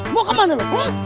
mau kemana lu